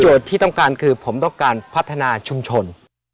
ที่ต้องการคือผมต้องการพัฒนาชุมชน